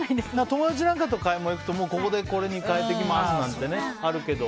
友達なんかと買い物行くとここで、これに替えていきますなんてあるけど。